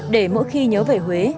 để mỗi khi nhớ về huế